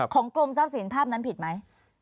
กรมทรัพย์สินภาพนั้นผิดไหม